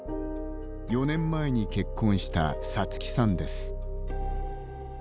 ４年前に結婚したサツキさんです。